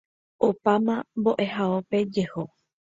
Opáma mbo'ehaópe jeho.